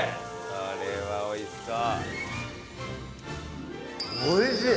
これは美味しそう。